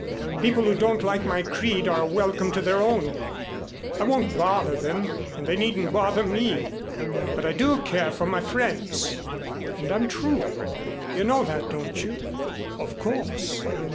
People who don't like my creed are welcome to their own. I won't bother them and they needn't bother me. But I do care for my friends and I'm true. You know that, don't you?" "Of course."